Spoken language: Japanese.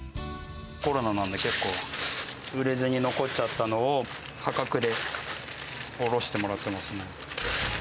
コロナなんで、結構、売れずに残っちゃったのを破格で卸してもらってますね。